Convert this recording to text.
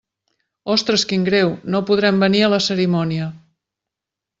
Ostres, quin greu, no podrem venir a la cerimònia.